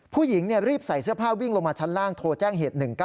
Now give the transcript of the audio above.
ผู้หญิงรีบใส่เสื้อผ้าวิ่งลงมาชั้นล่างโทรแจ้งเหตุ๑๙